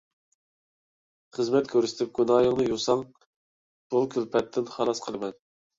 خىزمەت كۆرسىتىپ گۇناھىڭنى يۇساڭ، بۇ كۈلپەتتىن خالاس قىلىمەن.